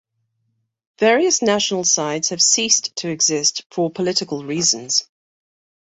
Various national sides have ceased to exist for political reasons.